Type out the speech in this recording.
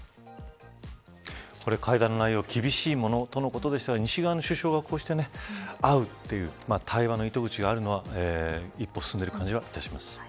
会談の内容厳しいものとのことでしたが西側の首相がこうして会うという対話の糸口があるのは一歩進んでいる感じがいたします。